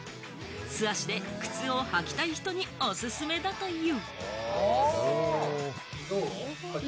素足で靴を履きたい人におすすめだという。